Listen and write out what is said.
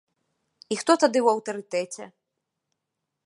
І хто тады ў аўтарытэце?